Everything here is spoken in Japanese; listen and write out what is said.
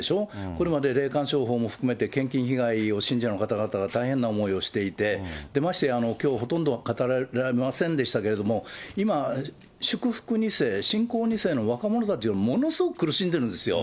これまで霊感商法も含めて、献金被害を信者の方々が大変な思いをしていて、ましてや、きょうほとんど語られませんでしたけれども、今、祝福２世、信仰２世の若者たちがものすごく苦しんでるんですよ。